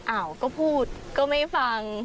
อ้าวก็พูดก็ไม่ฟัง